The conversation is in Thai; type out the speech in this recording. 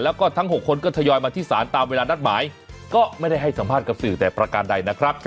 แล้วก็ทั้ง๖คนก็ทยอยมาที่ศาลตามเวลานัดหมายก็ไม่ได้ให้สัมภาษณ์กับสื่อแต่ประการใดนะครับ